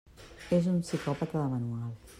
És un psicòpata de manual.